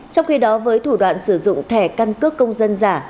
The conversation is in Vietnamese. trong khi đó với thủ đoạn sử dụng thẻ căn cước công dân giả